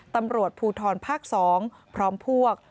ตำรวจภูทรภาค๒พร้อมพวก